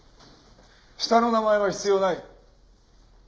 下の名前は必要ない。